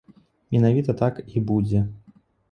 Менавіта так і будзе.